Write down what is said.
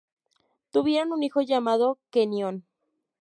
Tuvieron un hijo llamado Kenyon.